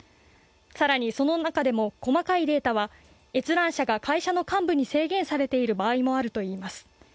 更に、その中でも細かいデータは閲覧者が会社の幹部に制限されている場合もあるといいます。